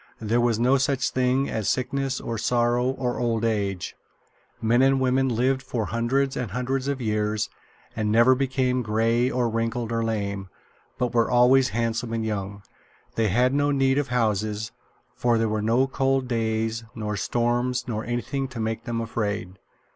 There was no such thing as sickness or sorrow or old age. Men and women lived for hundreds and hundreds of years and never became gray or wrinkled or lame, but were always handsome and young. They had no need of houses, for there were no cold days nor storms nor anything to make them afraid.